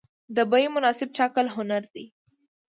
د بیې مناسب ټاکل هنر دی.